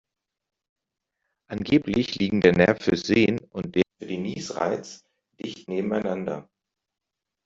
Angeblich liegen der Nerv fürs Sehen und der für den Niesreiz dicht nebeneinander.